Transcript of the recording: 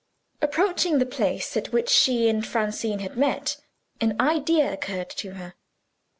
Approaching the place at which she and Francine had met, an idea occurred to her.